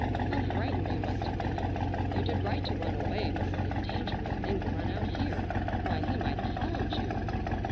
How frightened you must have been! You did right to run away, but it was a dangerous thing to run out here! Why, he might have followed you!"